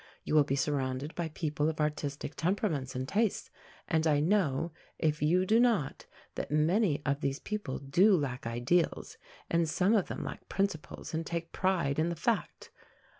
You will be surrounded by people of artistic temperaments and tastes, and I know, if you do not, that many of these people do lack ideals, and some of them lack principles and take pride in the fact.